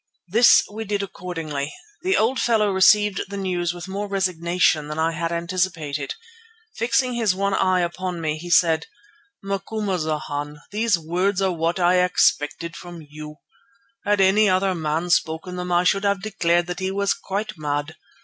This we did accordingly. The old fellow received the news with more resignation than I had anticipated. Fixing his one eye upon me, he said: "Macumazana, these words are what I expected from you. Had any other man spoken them I should have declared that he was quite mad.